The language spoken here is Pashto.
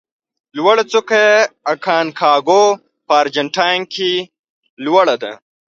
لوړه څوکه یې اکانکاګو په ارجنتاین کې لوړه ده.